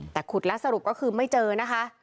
แต่ขุดแล้วสรุปก็คือไม่เจอนะคะ